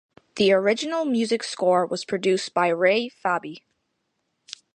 The original music score was produced by Ray Fabi.